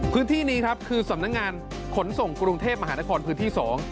พื้นที่นี้ครับคือสำนักงานขนส่งกรุงเทพมหานครพื้นที่๒